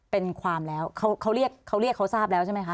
เป็นความแล้วเขาเรียกเขาทราบแล้วใช่ไหมคะ